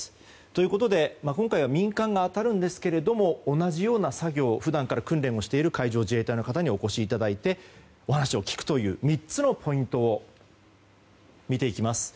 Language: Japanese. ということで今回は民間が当たるんですけれど同じような作業普段から訓練している海上自衛隊の方にお越しいただいてお話を聞くという３つのポイントを見ていきます。